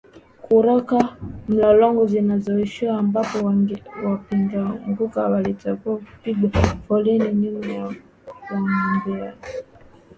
kura za mlolongo zilianzishwa ambapo wapigakura walitakiwa kupiga foleni nyuma ya wagombea wanaowapenda